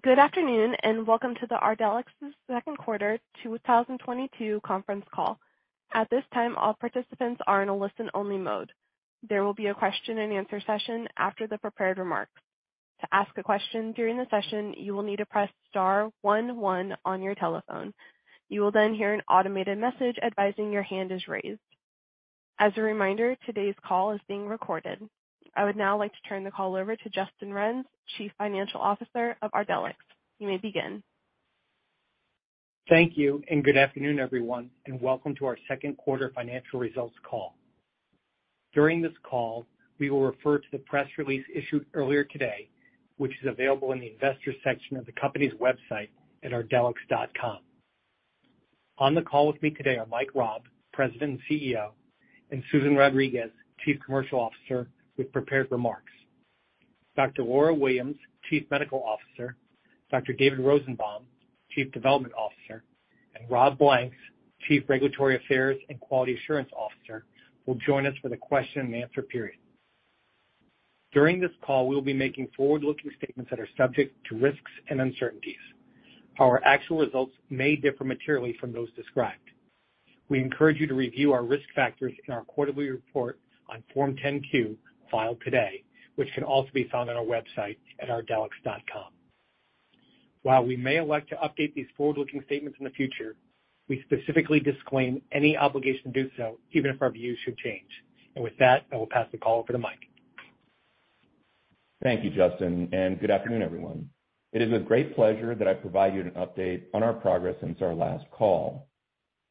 Good afternoon, and welcome to Ardelyx's second quarter 2022 conference call. At this time, all participants are in a listen-only mode. There will be a question-and-answer session after the prepared remarks. To ask a question during the session, you will need to press star one one on your telephone. You will then hear an automated message advising your hand is raised. As a reminder, today's call is being recorded. I would now like to turn the call over to Justin Renz, Chief Financial Officer of Ardelyx. You may begin. Thank you, and good afternoon, everyone, and welcome to our second quarter financial results call. During this call, we will refer to the press release issued earlier today, which is available in the Investors section of the company's website at ardelyx.com. On the call with me today are Mike Raab, President and CEO, and Susan Rodriguez, Chief Commercial Officer, with prepared remarks. Dr. Laura Williams, Chief Medical Officer, Dr. David Rosenbaum, Chief Development Officer, and Rob Blanks, Chief Regulatory Affairs and Quality Assurance Officer, will join us for the question-and-answer period. During this call, we will be making forward-looking statements that are subject to risks and uncertainties. Our actual results may differ materially from those described. We encourage you to review our risk factors in our quarterly report on Form 10-Q filed today, which can also be found on our website at ardelyx.com. While we may elect to update these forward-looking statements in the future, we specifically disclaim any obligation to do so, even if our views should change. With that, I will pass the call over to Mike. Thank you, Justin, and good afternoon, everyone. It is with great pleasure that I provide you an update on our progress since our last call.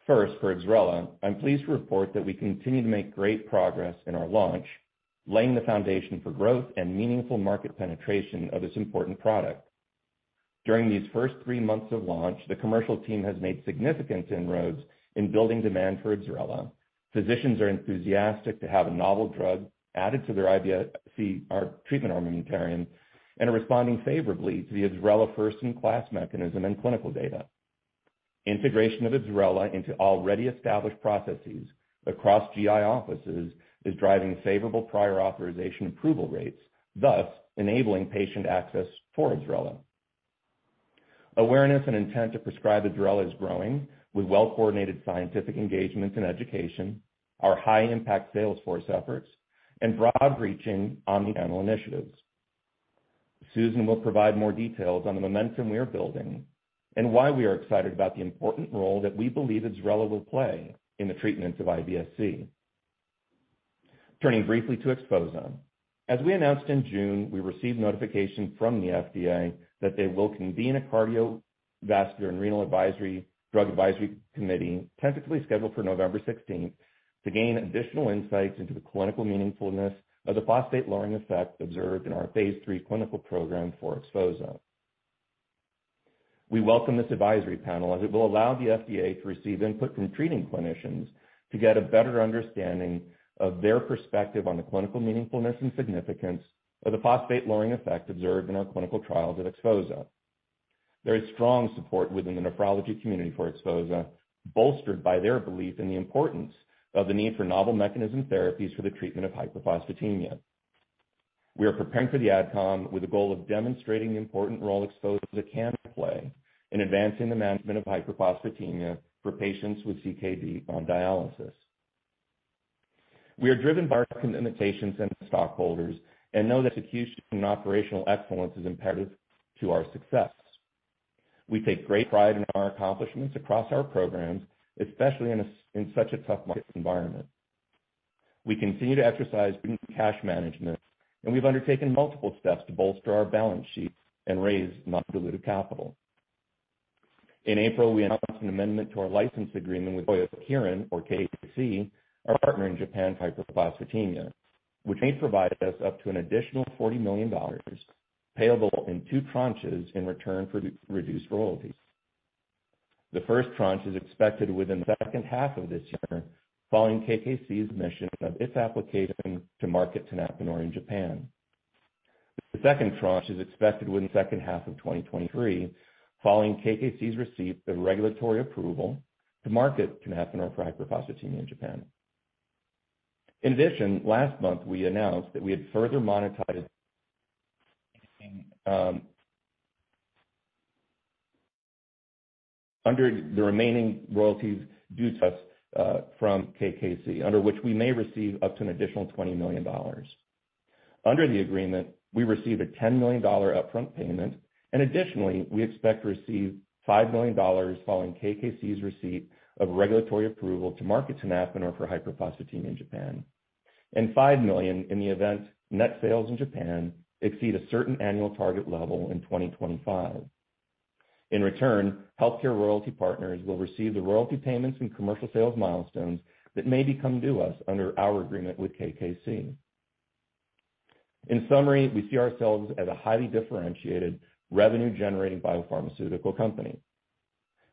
First, for IBSRELA, I'm pleased to report that we continue to make great progress in our launch, laying the foundation for growth and meaningful market penetration of this important product. During these first three months of launch, the commercial team has made significant inroads in building demand for IBSRELA. Physicians are enthusiastic to have a novel drug added to their IBS-C or treatment armamentarium and are responding favorably to the IBSRELA first-in-class mechanism and clinical data. Integration of IBSRELA into already established processes across GI offices is driving favorable prior authorization approval rates, thus enabling patient access for IBSRELA. Awareness and intent to prescribe IBSRELA is growing with well-coordinated scientific engagements and education, our high-impact salesforce efforts, and broad-reaching omnichannel initiatives. Susan will provide more details on the momentum we are building and why we are excited about the important role that we believe IBSRELA will play in the treatment of IBS-C. Turning briefly to XPHOZAH. As we announced in June, we received notification from the FDA that they will convene a cardiovascular and renal drug advisory committee, technically scheduled for November 16, to gain additional insights into the clinical meaningfulness of the phosphate-lowering effect observed in our phase III clinical program for XPHOZAH. We welcome this advisory panel as it will allow the FDA to receive input from treating clinicians to get a better understanding of their perspective on the clinical meaningfulness and significance of the phosphate-lowering effect observed in our clinical trials of XPHOZAH. There is strong support within the nephrology community for XPHOZAH, bolstered by their belief in the importance of the need for novel mechanism therapies for the treatment of hyperphosphatemia. We are preparing for the AdCom with the goal of demonstrating the important role XPHOZAH can play in advancing the management of hyperphosphatemia for patients with CKD on dialysis. We are driven by our mission and stockholders and know that execution and operational excellence is imperative to our success. We take great pride in our accomplishments across our programs, especially in such a tough market environment. We continue to exercise prudent cash management, and we've undertaken multiple steps to bolster our balance sheet and raise non-dilutive capital. In April, we announced an amendment to our license agreement with Kyowa Kirin or KKC, our partner in Japan for hypophosphatemia, which may provide us up to an additional $40 million, payable in two tranches in return for reduced royalties. The first tranche is expected within the H2 of this year, following KKC's submission of its application to market tenapanor in Japan. The second tranche is expected within the H2 of 2023, following KKC's receipt of regulatory approval to market tenapanor for hypophosphatemia in Japan. In addition, last month, we announced that we had further monetized the remaining royalties due to us from KKC, under which we may receive up to an additional $20 million. Under the agreement, we received a $10 million upfront payment, and additionally, we expect to receive $5 million following KKC's receipt of regulatory approval to market tenapanor for hypophosphatemia in Japan, and $5 million in the event net sales in Japan exceed a certain annual target level in 2025. In return, HealthCare Royalty Partners will receive the royalty payments and commercial sales milestones that may become due us under our agreement with KKC. In summary, we see ourselves as a highly differentiated revenue-generating biopharmaceutical company.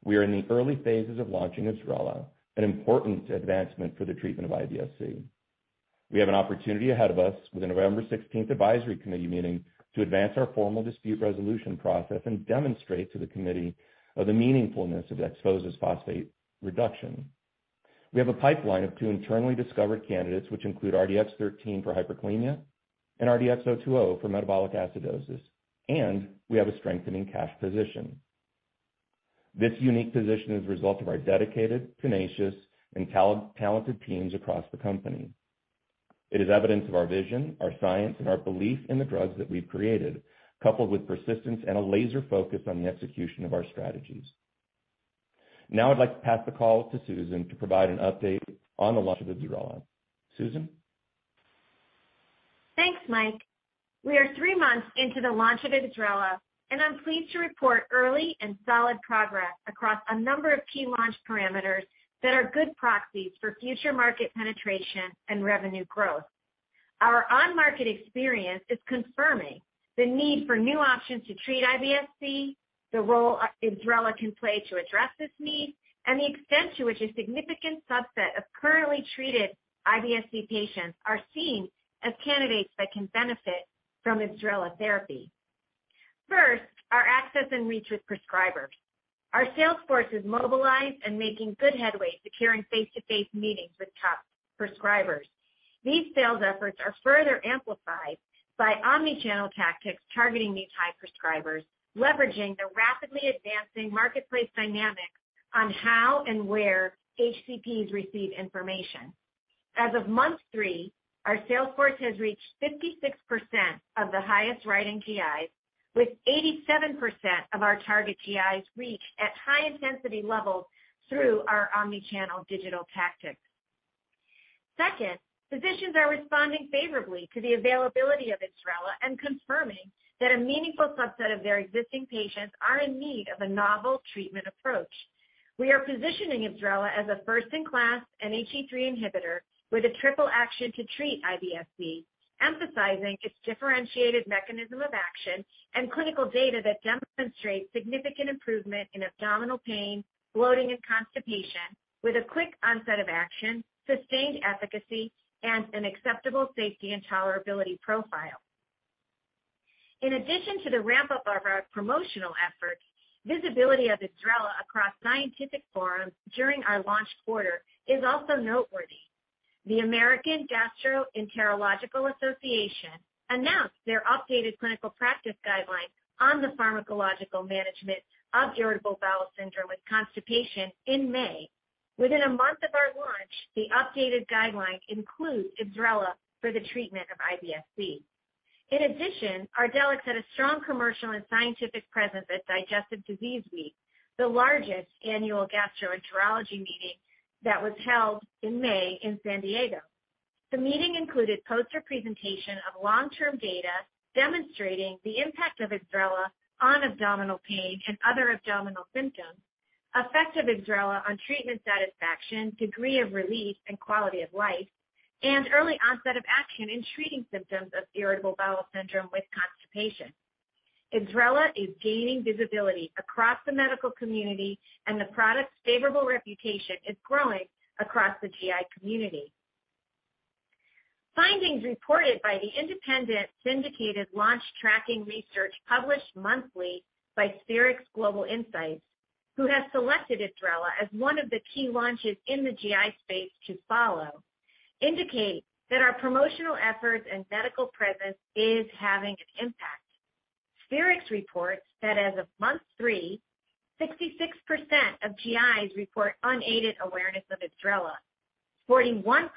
We are in the early phases of launching IBSRELA, an important advancement for the treatment of IBS-C. We have an opportunity ahead of us with the November sixteenth advisory committee meeting to advance our formal dispute resolution process and demonstrate to the committee of the meaningfulness of XPHOZAH's phosphate reduction. We have a pipeline of two internally discovered candidates which include RDX 13 for hyperkalemia and RDX 020 for metabolic acidosis, and we have a strengthening cash position. This unique position is a result of our dedicated, tenacious, and talented teams across the company. It is evidence of our vision, our science, and our belief in the drugs that we've created, coupled with persistence and a laser focus on the execution of our strategies. Now I'd like to pass the call to Susan to provide an update on the launch of the IBSRELA. Susan? Thanks, Mike. We are three months into the launch of IBSRELA, and I'm pleased to report early and solid progress across a number of key launch parameters that are good proxies for future market penetration and revenue growth. Our on-market experience is confirming the need for new options to treat IBS-C, the role IBSRELA can play to address this need, and the extent to which a significant subset of currently treated IBS-C patients are seen as candidates that can benefit from IBSRELA therapy. First, our access and reach with prescribers. Our sales force is mobilized and making good headway securing face-to-face meetings with top prescribers. These sales efforts are further amplified by omni-channel tactics targeting these high prescribers, leveraging the rapidly advancing marketplace dynamics on how and where HCPs receive information. As of month three, our sales force has reached 56% of the highest-prescribing GIs, with 87% of our target GIs reached at high intensity levels through our omni-channel digital tactics. Second, physicians are responding favorably to the availability of IBSRELA and confirming that a meaningful subset of their existing patients are in need of a novel treatment approach. We are positioning IBSRELA as a first-in-class NHE3 inhibitor with a triple action to treat IBS-C, emphasizing its differentiated mechanism of action and clinical data that demonstrates significant improvement in abdominal pain, bloating, and constipation with a quick onset of action, sustained efficacy, and an acceptable safety and tolerability profile. In addition to the ramp-up of our promotional efforts, visibility of IBSRELA across scientific forums during our launch quarter is also noteworthy. The American Gastroenterological Association announced their updated clinical practice guidelines on the pharmacological management of irritable bowel syndrome with constipation in May. Within a month of our launch, the updated guideline includes IBSRELA for the treatment of IBS-C. In addition, Ardelyx had a strong commercial and scientific presence at Digestive Disease Week, the largest annual gastroenterology meeting that was held in May in San Diego. The meeting included poster presentation of long-term data demonstrating the impact of IBSRELA on abdominal pain and other abdominal symptoms, effect of IBSRELA on treatment satisfaction, degree of relief, and quality of life, and early onset of action in treating symptoms of irritable bowel syndrome with constipation. IBSRELA is gaining visibility across the medical community, and the product's favorable reputation is growing across the GI community. Findings reported by the independent syndicated launch tracking research published monthly by Spherix Global Insights, who has selected IBSRELA as one of the key launches in the GI space to follow, indicate that our promotional efforts and medical presence is having an impact. Spherix reports that as of month three, 66% of GIs report unaided awareness of IBSRELA, 41%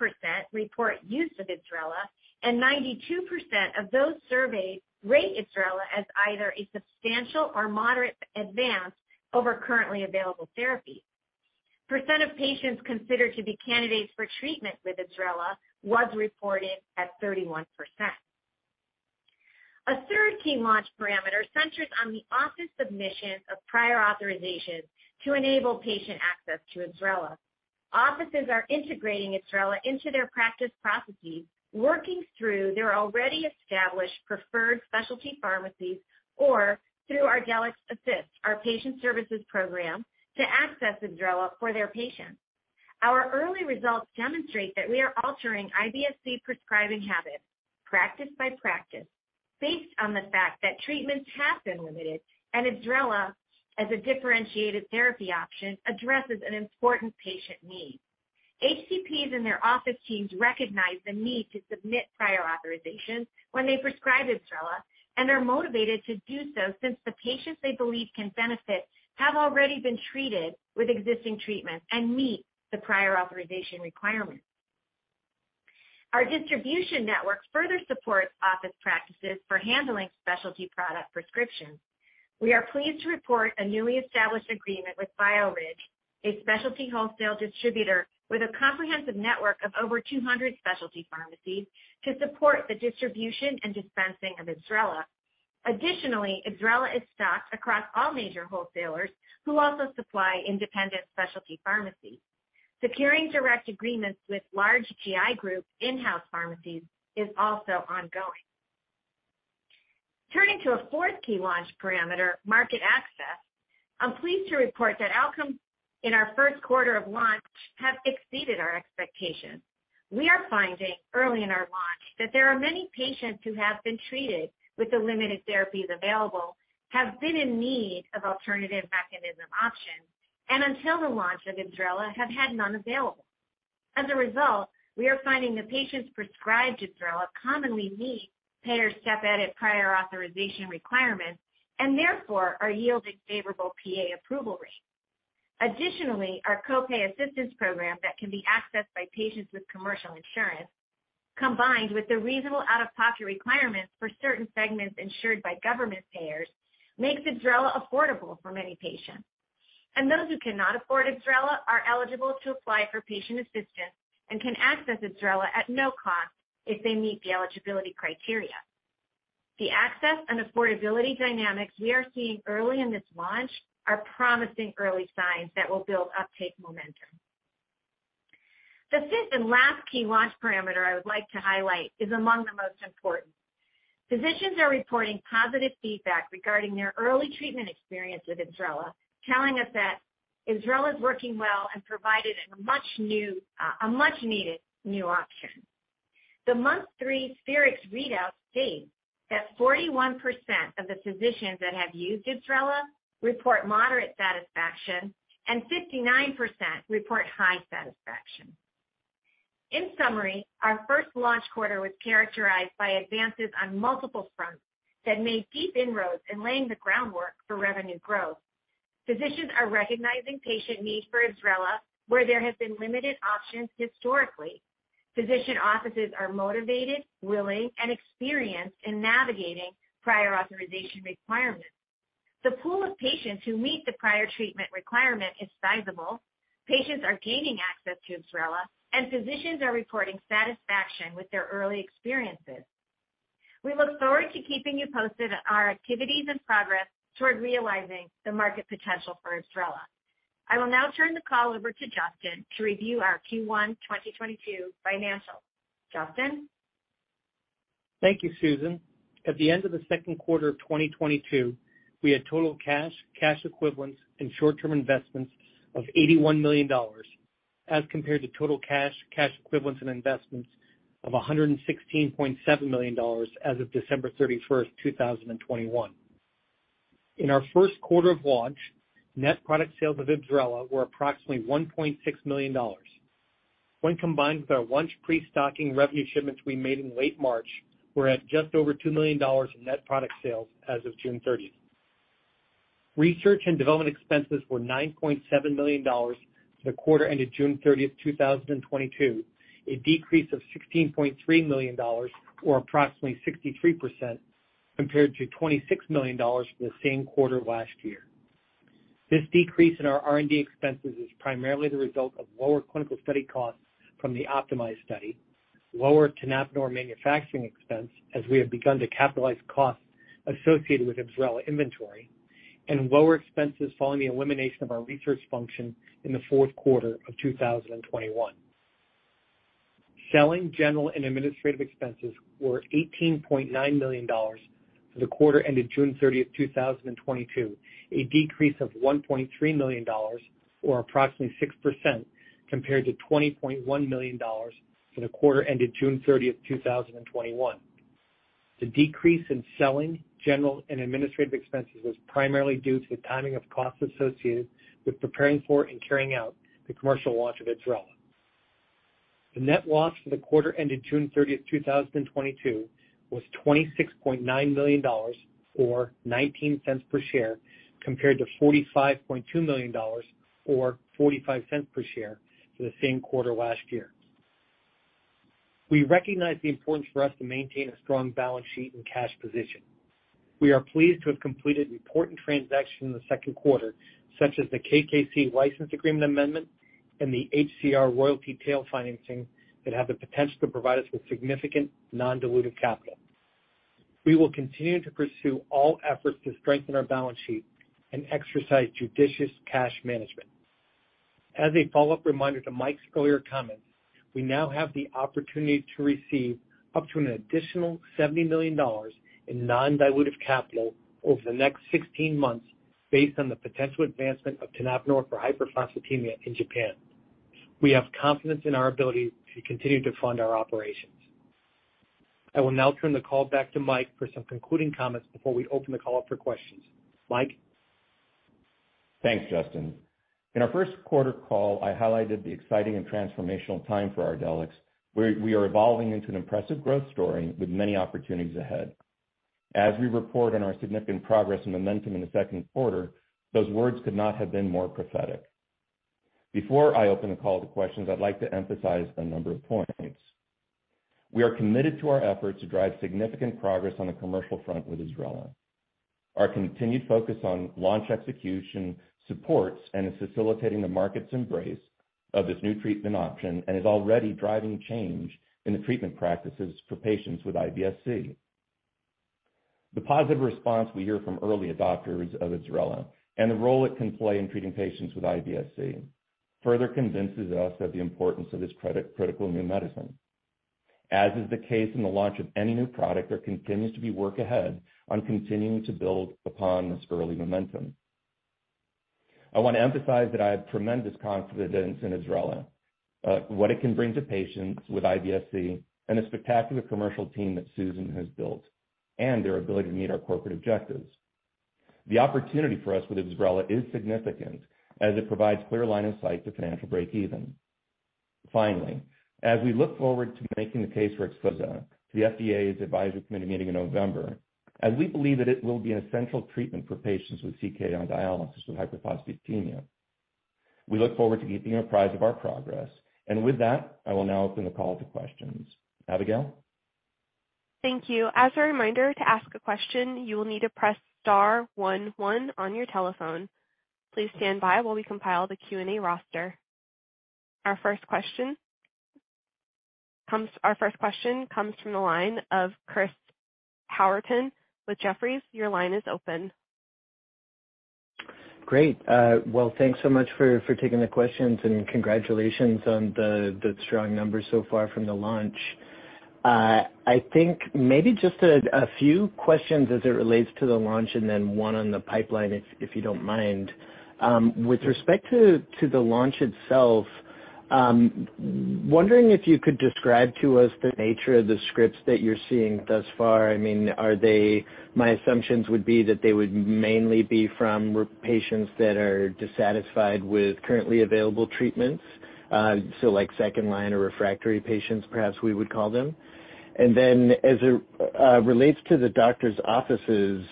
report use of IBSRELA, and 92% of those surveyed rate IBSRELA as either a substantial or moderate advance over currently available therapies. Percent of patients considered to be candidates for treatment with IBSRELA was reported at 31%. A third key launch parameter centers on the office submission of prior authorizations to enable patient access to IBSRELA. Offices are integrating IBSRELA into their practice processes, working through their already established preferred specialty pharmacies or through ArdelyxAssist, our patient services program, to access IBSRELA for their patients. Our early results demonstrate that we are altering IBS-C prescribing habits practice by practice based on the fact that treatments have been limited and IBSRELA, as a differentiated therapy option, addresses an important patient need. HCPs and their office teams recognize the need to submit prior authorizations when they prescribe IBSRELA and are motivated to do so since the patients they believe can benefit have already been treated with existing treatments and meet the prior authorization requirements. Our distribution network further supports office practices for handling specialty product prescriptions. We are pleased to report a newly established agreement with BioRidge, a specialty wholesale distributor with a comprehensive network of over 200 specialty pharmacies, to support the distribution and dispensing of IBSRELA. Additionally, IBSRELA is stocked across all major wholesalers who also supply independent specialty pharmacies. Securing direct agreements with large GI group in-house pharmacies is also ongoing. Turning to a fourth key launch parameter, market access, I'm pleased to report that outcomes in our first quarter of launch have exceeded our expectations. We are finding early in our launch that there are many patients who have been treated with the limited therapies available, have been in need of alternative mechanism options, and until the launch of IBSRELA, have had none available. As a result, we are finding that patients prescribed IBSRELA commonly meet payer step edit prior authorization requirements and therefore are yielding favorable PA approval rates. Additionally, our co-pay assistance program that can be accessed by patients with commercial insurance, combined with the reasonable out-of-pocket requirements for certain segments insured by government payers, makes IBSRELA affordable for many patients. Those who cannot afford IBSRELA are eligible to apply for patient assistance and can access IBSRELA at no cost if they meet the eligibility criteria. The access and affordability dynamics we are seeing early in this launch are promising early signs that will build uptake momentum. The fifth and last key launch parameter I would like to highlight is among the most important. Physicians are reporting positive feedback regarding their early treatment experience with IBSRELA, telling us that IBSRELA is working well and provided a much-needed new option. The month three Spherix's readout states that 41% of the physicians that have used IBSRELA report moderate satisfaction, and 59% report high satisfaction. In summary, our first launch quarter was characterized by advances on multiple fronts that made deep inroads in laying the groundwork for revenue growth. Physicians are recognizing patient need for IBSRELA where there have been limited options historically. Physician offices are motivated, willing, and experienced in navigating prior authorization requirements. The pool of patients who meet the prior treatment requirement is sizable. Patients are gaining access to IBSRELA, and physicians are reporting satisfaction with their early experiences. We look forward to keeping you posted on our activities and progress toward realizing the market potential for IBSRELA. I will now turn the call over to Justin to review our Q1 2022 financials. Justin? Thank you, Susan. At the end of the second quarter of 2022, we had total cash equivalents, and short-term investments of $81 million, as compared to total cash equivalents, and investments of $116.7 million as of December 31st, 2021. In our first quarter of launch, net product sales of IBSRELA were approximately $1.6 million. When combined with our launch pre-stocking revenue shipments we made in late March, we're at just over $2 million in net product sales as of June 30th. Research and development expenses were $9.7 million for the quarter ended June 30th, 2022, a decrease of $16.3 million or approximately 63% compared to $26 million for the same quarter last year. This decrease in our R&D expenses is primarily the result of lower clinical study costs from the OPTIMIZE study, lower tenapanor manufacturing expense as we have begun to capitalize costs associated with IBSRELA inventory, and lower expenses following the elimination of our research function in the fourth quarter of 2021. Selling, general and administrative expenses were $18.9 million for the quarter ended June 30th, 2022, a decrease of $1.3 million or approximately 6% compared to $20.1 million for the quarter ended June 30th, 2021. The decrease in selling, general and administrative expenses was primarily due to the timing of costs associated with preparing for and carrying out the commercial launch of IBSRELA. The net loss for the quarter ended June 30th, 2022 was $26.9 million or 19 cents per share, compared to $45.2 million or 45 cents per share for the same quarter last year. We recognize the importance for us to maintain a strong balance sheet and cash position. We are pleased to have completed important transactions in the second quarter, such as the KKC license agreement amendment and the HCR royalty tail financing that have the potential to provide us with significant non-dilutive capital. We will continue to pursue all efforts to strengthen our balance sheet and exercise judicious cash management. As a follow-up reminder to Mike's earlier comments, we now have the opportunity to receive up to an additional $70 million in non-dilutive capital over the next 16 months based on the potential advancement of tenapanor for hyperphosphatemia in Japan. We have confidence in our ability to continue to fund our operations. I will now turn the call back to Mike for some concluding comments before we open the call up for questions. Mike? Thanks, Justin. In our first quarter call, I highlighted the exciting and transformational time for Ardelyx, where we are evolving into an impressive growth story with many opportunities ahead. As we report on our significant progress and momentum in the second quarter, those words could not have been more prophetic. Before I open the call to questions, I'd like to emphasize a number of points. We are committed to our effort to drive significant progress on the commercial front with IBSRELA. Our continued focus on launch execution supports and is facilitating the market's embrace of this new treatment option and is already driving change in the treatment practices for patients with IBS-C. The positive response we hear from early adopters of IBSRELA and the role it can play in treating patients with IBS-C further convinces us of the importance of this critical new medicine. As is the case in the launch of any new product, there continues to be work ahead on continuing to build upon this early momentum. I wanna emphasize that I have tremendous confidence in IBSRELA, what it can bring to patients with IBS-C and the spectacular commercial team that Susan has built, and their ability to meet our corporate objectives. The opportunity for us with IBSRELA is significant as it provides clear line of sight to financial break-even. Finally, as we look forward to making the case for XPHOZAH to the FDA's advisory committee meeting in November, and we believe that it will be an essential treatment for patients with CKD on dialysis with hypophosphatemia. We look forward to keeping you apprised of our progress. With that, I will now open the call to questions. Abigail? Thank you. As a reminder, to ask a question, you will need to press star one one on your telephone. Please stand by while we compile the Q&A roster. Our first question comes from the line of Chris Howerton with Jefferies. Your line is open. Great. Well, thanks so much for taking the questions and congratulations on the strong numbers so far from the launch. I think maybe just a few questions as it relates to the launch and then one on the pipeline if you don't mind. With respect to the launch itself, wondering if you could describe to us the nature of the scripts that you're seeing thus far. I mean, are they. My assumptions would be that they would mainly be from refractory patients that are dissatisfied with currently available treatments, so like second line or refractory patients perhaps we would call them. As it relates to the doctor's offices,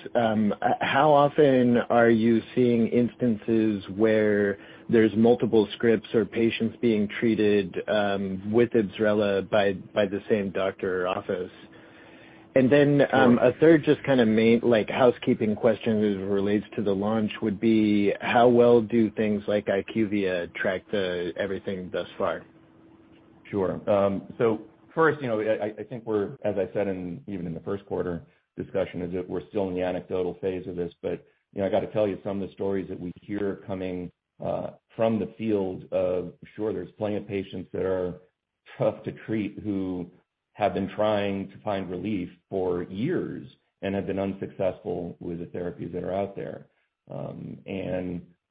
how often are you seeing instances where there's multiple scripts or patients being treated, with IBSRELA by the same doctor or office? A third just kinda main like housekeeping question as it relates to the launch would be how well do things like IQVIA track everything thus far? Sure. First, you know, I think we're, as I said, even in the first quarter discussion, is that we're still in the anecdotal phase of this. You know, I gotta tell you some of the stories that we hear coming from the field. Sure, there's plenty of patients that are tough to treat who have been trying to find relief for years and have been unsuccessful with the therapies that are out there.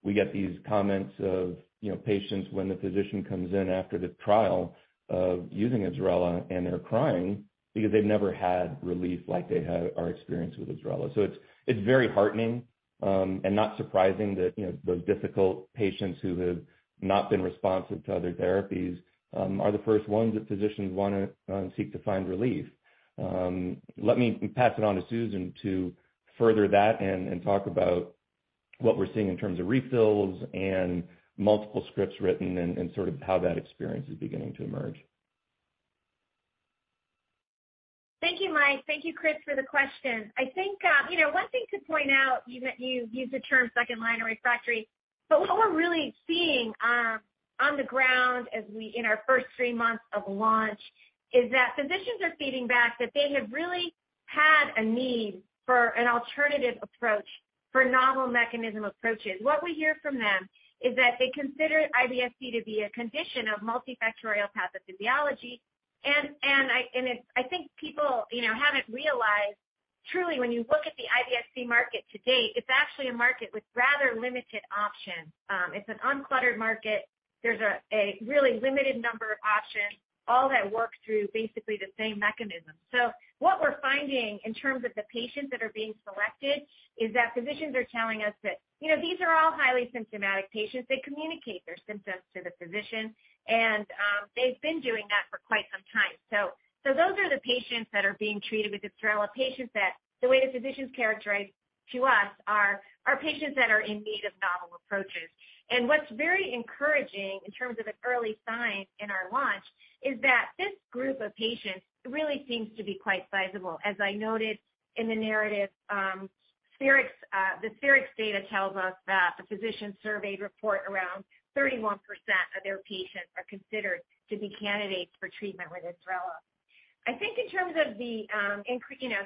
We get these comments of, you know, patients when the patient comes in after the trial of using IBSRELA, and they're crying because they've never had relief like they had or experienced with IBSRELA. It's very heartening and not surprising that, you know, those difficult patients who have not been responsive to other therapies are the first ones that physicians wanna seek to find relief. Let me pass it on to Susan to further that and talk about what we're seeing in terms of refills and multiple scripts written and sort of how that experience is beginning to emerge. Thank you, Mike. Thank you, Chris, for the question. I think, you know, one thing to point out, you know, you used the term second line or refractory, but what we're really seeing, on the ground in our first three months of launch is that physicians are feeding back that they have really had a need for an alternative approach for novel mechanism approaches. What we hear from them is that they consider IBS-C to be a condition of multifactorial pathophysiology. I think people, you know, haven't realized truly when you look at the IBS-C market to date, it's actually a market with rather limited options. It's an uncluttered market. There's a really limited number of options, all that work through basically the same mechanism. What we're finding in terms of the patients that are being selected is that physicians are telling us that, you know, these are all highly symptomatic patients. They communicate their symptoms to the physician and, they've been doing that for quite some time. Those are the patients that are being treated with IBSRELA, patients that the way the physicians characterize to us are patients that are in need of novel approaches. What's very encouraging in terms of an early sign in our launch is that this group of patients really seems to be quite sizable. As I noted in the narrative, Spherix, the Spherix data tells us that the physicians surveyed report around 31% of their patients are considered to be candidates for treatment with IBSRELA. I think in terms of the you know,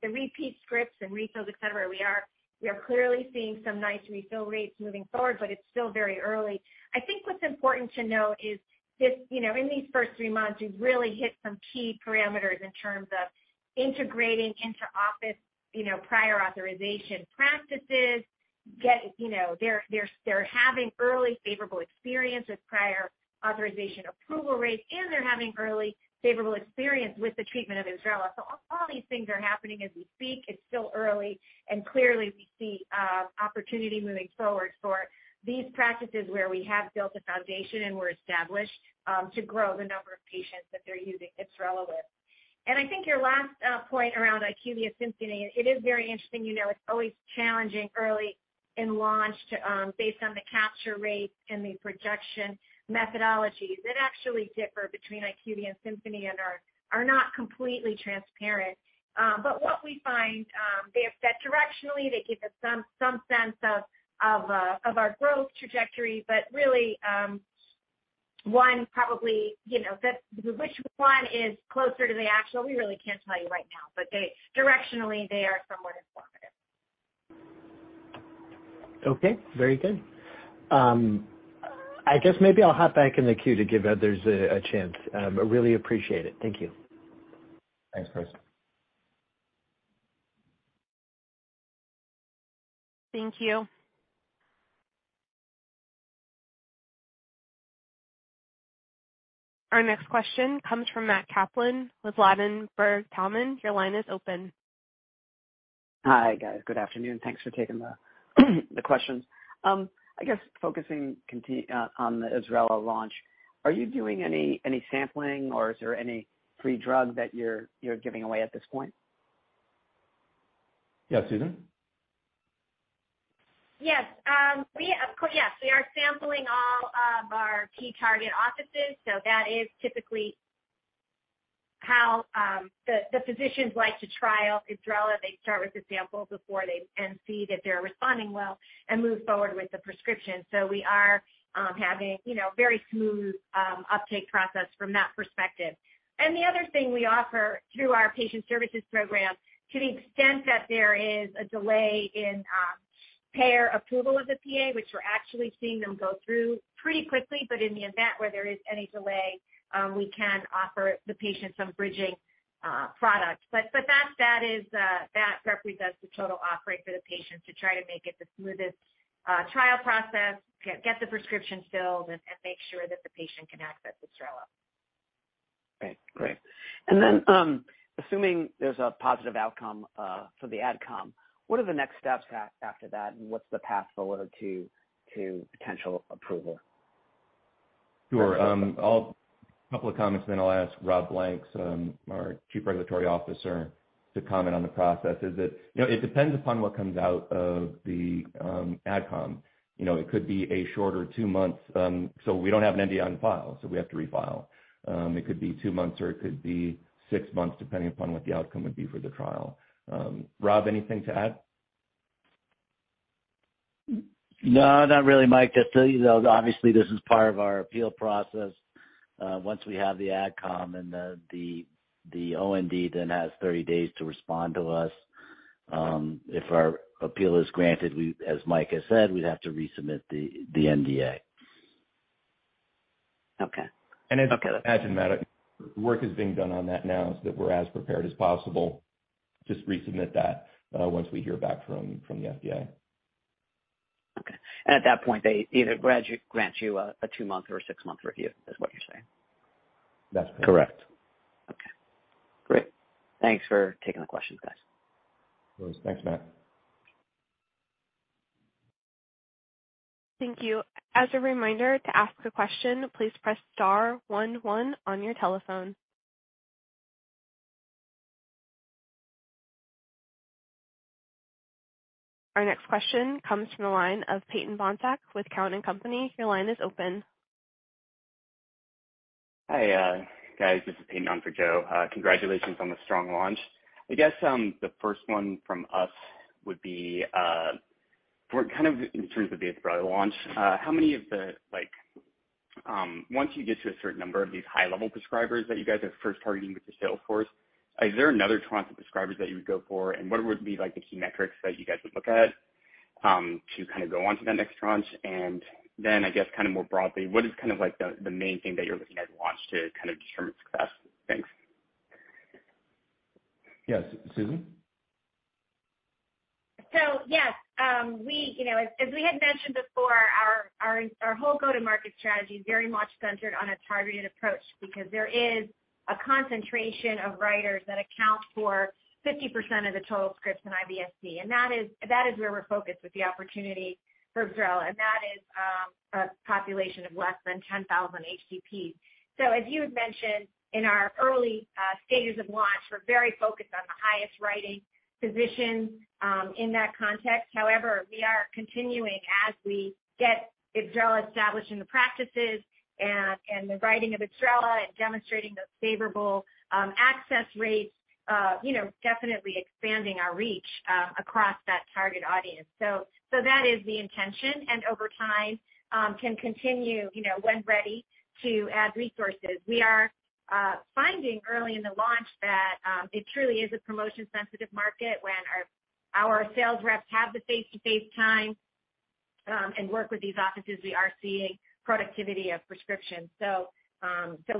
the repeat scripts and refills, et cetera, we are clearly seeing some nice refill rates moving forward, but it's still very early. I think what's important to note is this, you know, in these first three months, we've really hit some key parameters in terms of integrating into office, you know, prior authorization practices, you know, they're having early favorable experiences, prior authorization approval rates, and they're having early favorable experience with the treatment of IBSRELA. All these things are happening as we speak. It's still early, and clearly we see opportunity moving forward for these practices where we have built a foundation and we're established to grow the number of patients that they're using IBSRELA with. I think your last point around IQVIA and Symphony, it is very interesting. You know, it's always challenging early in launch based on the capture rates and the projection methodologies that actually differ between IQVIA and Symphony and are not completely transparent. What we find, they're set directionally. They give us some sense of our growth trajectory. Really, one probably, you know, which one is closer to the actual, we really can't tell you right now. They, directionally, they are somewhat informative. Okay, very good. I guess maybe I'll hop back in the queue to give others a chance. Really appreciate it. Thank you. Thanks, Chris. Thank you. Our next question comes from Matt Kaplan with Ladenburg Thalmann. Your line is open. Hi, guys. Good afternoon. Thanks for taking the questions. I guess focusing on the IBSRELA launch, are you doing any sampling or is there any free drug that you're giving away at this point? Yeah, Susan? Yes. Of course, yes, we are sampling all of our key target offices. That is typically how the physicians like to trial IBSRELA. They start with the sample before they see that they're responding well and move forward with the prescription. We are having you know very smooth uptake process from that perspective. The other thing we offer through our patient services program, to the extent that there is a delay in payer approval of the PA, which we're actually seeing them go through pretty quickly, but in the event where there is any delay, we can offer the patient some bridging product. That represents the total offering for the patient to try to make it the smoothest trial process, get the prescription filled and make sure that the patient can access IBSRELA. Great. Assuming there's a positive outcome for the AdCom, what are the next steps after that, and what's the path forward to potential approval? Sure. A couple of comments, then I'll ask Rob Blanks, our Chief Regulatory Officer, to comment on the process. That is, you know, it depends upon what comes out of the AdCom. You know, it could be a shorter 2 months. So we don't have an NDA on file, so we have to refile. It could be 2 months or it could be 6 months, depending upon what the outcome would be for the trial. Rob, anything to add? No, not really, Mike. Just so you know, obviously this is part of our appeal process. Once we have the AdCom and the OND then has 30 days to respond to us. If our appeal is granted, we, as Mike has said, we'd have to resubmit the NDA. Okay. Work is being done on that now so that we're as prepared as possible. Just resubmit that once we hear back from the FDA. Okay. At that point, they either grant you a 2-month or a 6-month review, is what you're saying? That's correct. Okay. Great. Thanks for taking the questions, guys. Thanks, Matt. Thank you. As a reminder, to ask a question, please press star one one on your telephone. Our next question comes from the line of Peyton Bohnsack with Cowen and Company. Your line is open. Hi, guys. This is Peyton on for Joseph Thome. Congratulations on the strong launch. I guess, the first one from us would be, for kind of in terms of the IBSRELA launch, how many of the, once you get to a certain number of these high-level prescribers that you guys are first targeting with the sales force, is there another tranche of prescribers that you would go for? What would be like the key metrics that you guys would look at, to kind of go on to that next tranche? Then I guess kind of more broadly, what is kind of like the main thing that you're looking at launch to kind of determine success? Thanks. Yes, Susan. Yes, we, you know, as we had mentioned before, our whole go-to-market strategy is very much centered on a targeted approach because there is a concentration of writers that account for 50% of the total scripts in IBS-C. That is where we're focused with the opportunity for IBSRELA, and that is a population of less than 10,000 HCPs. As you had mentioned, in our early stages of launch, we're very focused on the highest writing physicians in that context. However, we are continuing as we get IBSRELA established in the practices and the writing of IBSRELA and demonstrating those favorable access rates, you know, definitely expanding our reach across that target audience. That is the intention, and over time, can continue, you know, when ready to add resources. We are finding early in the launch that it truly is a promotion-sensitive market when our sales reps have the face-to-face time and work with these offices. We are seeing productivity of prescription.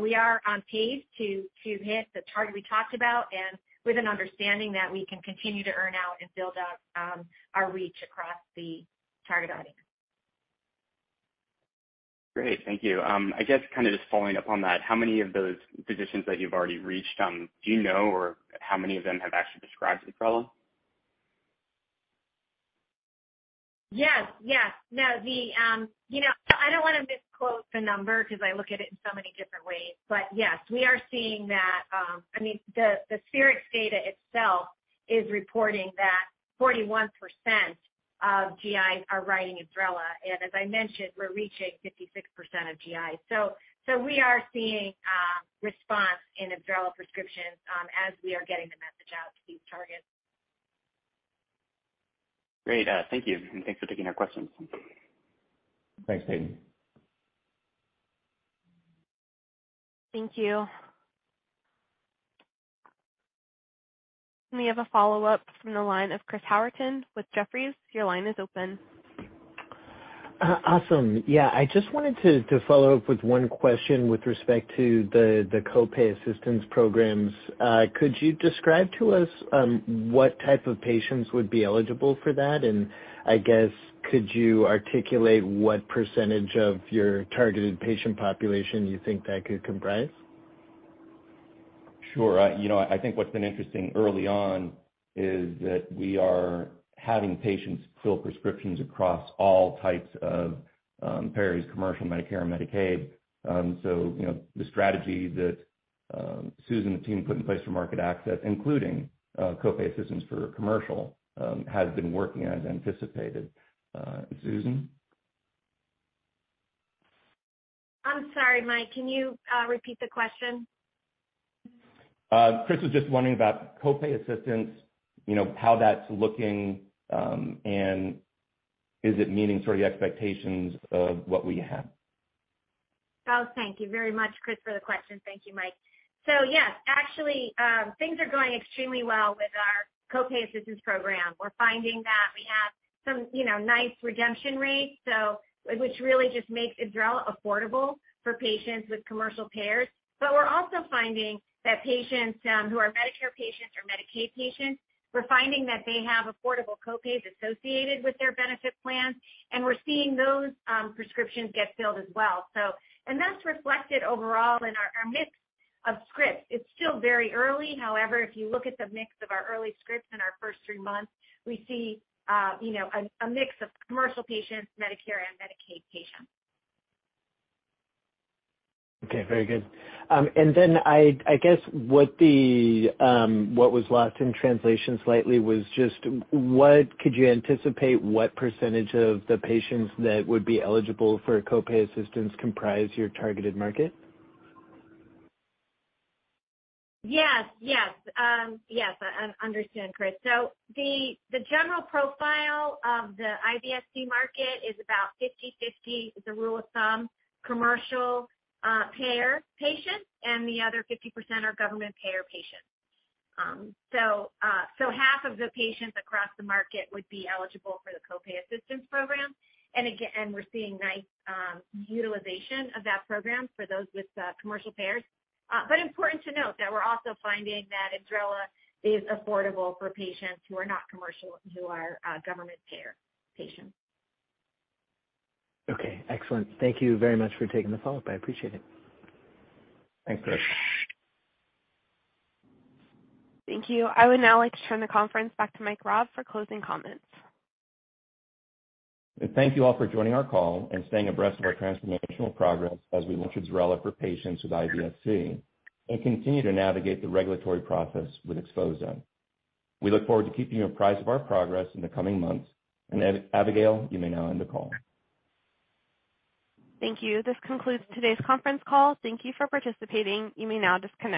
We are on pace to hit the target we talked about and with an understanding that we can continue to earn out and build out our reach across the target audience. Great. Thank you. I guess kind of just following up on that, how many of those physicians that you've already reached, do you know or how many of them have actually prescribed IBSRELA? Yes. Now, you know, I don't wanna misquote the number 'cause I look at it in so many different ways. Yes, we are seeing that. I mean, the Spherix data itself is reporting that 41% of GIs are writing IBSRELA, and as I mentioned, we're reaching 56% of GIs. We are seeing response in IBSRELA prescriptions, as we are getting the message out to these targets. Great. Thank you. Thanks for taking our questions. Thanks, Peyton. Thank you. We have a follow-up from the line of Chris Howerton with Jefferies. Your line is open. Awesome. Yeah, I just wanted to follow up with one question with respect to the co-pay assistance programs. Could you describe to us what type of patients would be eligible for that? I guess, could you articulate what percentage of your targeted patient population you think that could comprise? Sure. You know, I think what's been interesting early on is that we are having patients fill prescriptions across all types of payers, commercial, Medicare, and Medicaid. You know, the strategy that Susan and the team put in place for market access, including co-pay assistance for commercial, has been working as anticipated. Susan? I'm sorry, Mike, can you repeat the question? Chris was just wondering about co-pay assistance, you know, how that's looking, and is it meeting sort of the expectations of what we have? Oh, thank you very much, Chris, for the question. Thank you, Mike. Yes, actually, things are going extremely well with our co-pay assistance program. We're finding that we have some, you know, nice redemption rates, so which really just makes IBSRELA affordable for patients with commercial payers. But we're also finding that patients who are Medicare patients or Medicaid patients, we're finding that they have affordable co-pays associated with their benefit plans, and we're seeing those prescriptions get filled as well. That's reflected overall in our mix of scripts. It's still very early. However, if you look at the mix of our early scripts in our first three months, we see, you know, a mix of commercial patients, Medicare and Medicaid patients. Okay, very good. I guess what was lost in translation slightly was just what could you anticipate what percentage of the patients that would be eligible for co-pay assistance comprise your targeted market? Yes. I understand, Chris. The general profile of the IBS-C market is about 50/50 is a rule of thumb commercial payer patients, and the other 50% are government payer patients. Half of the patients across the market would be eligible for the co-pay assistance program. Again, we're seeing nice utilization of that program for those with commercial payers. Important to note that we're also finding that IBSRELA is affordable for patients who are not commercial, who are government payer patients. Okay, excellent. Thank you very much for taking the follow-up. I appreciate it. Thanks, Chris. Thank you. I would now like to turn the conference back to Mike Raab for closing comments. Thank you all for joining our call and staying abreast of our transformational progress as we launch IBSRELA for patients with IBS-C and continue to navigate the regulatory process with XPHOZAH. We look forward to keeping you apprised of our progress in the coming months. Abigail, you may now end the call. Thank you. This concludes today's conference call. Thank you for participating. You may now disconnect.